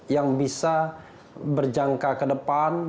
yang bisa berjangka ke depan